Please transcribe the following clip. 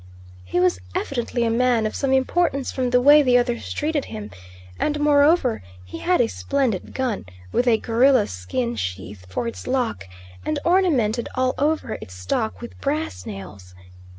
He was evidently a man of some importance from the way the others treated him; and moreover he had a splendid gun, with a gorilla skin sheath for its lock, and ornamented all over its stock with brass nails.